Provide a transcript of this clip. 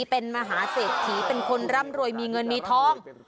เป็นมหาเศรษฐีเป็นคนร่ำรวยมีเงินมีทอง